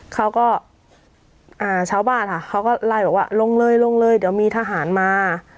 ชาวบ้านค่ะเขาก็ไล่บอกว่าลงเลยลงเลยเดี๋ยวมีทหารมา